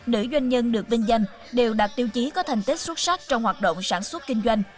nữ doanh nhân được vinh danh đều đạt tiêu chí có thành tích xuất sắc trong hoạt động sản xuất kinh doanh